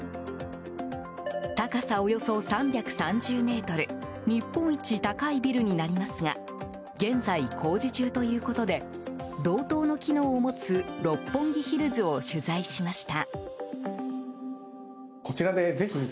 高さ、およそ３３０ｍ日本一高いビルになりますが現在工事中ということで同等の機能を持つ六本木ヒルズを取材しました。